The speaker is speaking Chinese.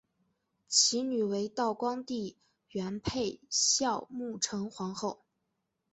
其女为道光帝元配孝穆成皇后。